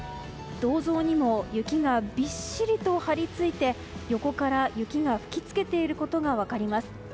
銅像にも雪がびっしりと貼りついて横から雪が吹き付けているのが分かります。